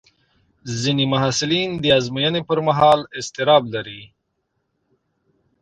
ځینې محصلین د ازموینې پر مهال اضطراب لري.